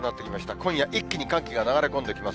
今夜、一気に寒気が流れ込んできます。